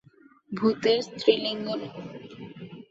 ভূতের স্ত্রীলিঙ্গ রূপ।